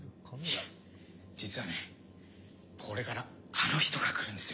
実はこれからあの人が来るんですよ。